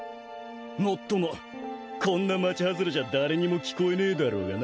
もっともこんな町外れじゃ誰にも聞こえねえだろうがな